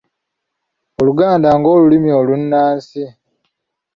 Oluganda ng'olulimi olunnansi.